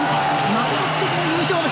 まこと奇跡の優勝です。